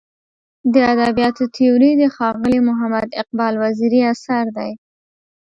د ادبیاتو تیوري د ښاغلي محمد اقبال وزیري اثر دی.